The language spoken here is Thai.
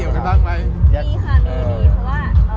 แล้วที่วางแผ่นไหมค่ะ